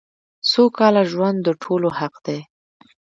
سوکاله ژوند دټولو حق دی .